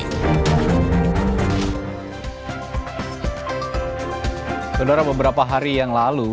saudara beberapa hari yang lalu